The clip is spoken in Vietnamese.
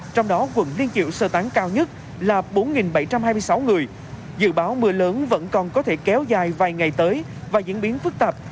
trong đó quận liên kiểu sơ tán cao nhất là bốn bảy trăm hai mươi sáu người dự báo mưa lớn vẫn còn có thể kéo dài vài ngày tới và diễn biến phức tạp